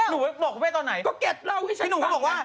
หนุ่งบอกกับเบ๊ตตอนไหนพี่หนุ่งก็บอกว่าก็แกเล่าให้ฉันฟัง